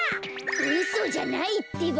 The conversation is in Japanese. うそじゃないってば。